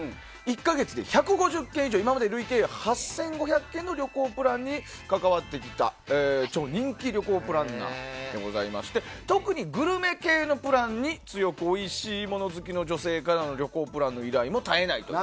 １か月で１５０件以上今まで累計８５００件の旅行プランに関わってきた超人気旅行プランナーでございまして特にグルメ系のプランが好きな人に旅行プランの依頼も絶えないと。